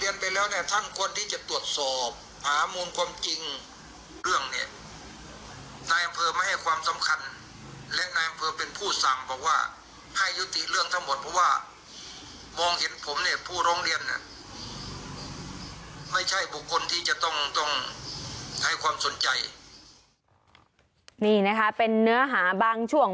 นี่นะคะเป็นเนื้อหาบางช่วง